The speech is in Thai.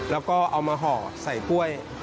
แล้วก็เอามาห่อใส่กล้วย